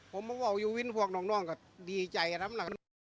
ผมก็ว่าอยู่วิทย์ฟวกน้องก็ดีใจน้ำหนัก